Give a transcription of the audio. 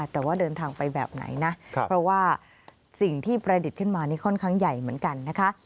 แต่ว่าเดินทางไปแบบไหนนะเพราะว่าสิ่งที่ประดิษฐ์ขึ้นมานี่ค่อนข้างใหญ่เหมือนกันนะคะ